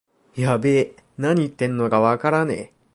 やべえ、なに言ってんのかわからねえ